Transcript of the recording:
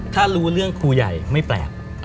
ถ้ารู้เรื่องครูใหญ่ไม่แปลก